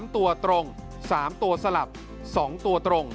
๓ตัวตรง๓ตัวสลับ๒ตัวตรง